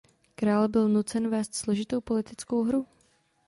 Král byl nucen vést složitou politickou hru.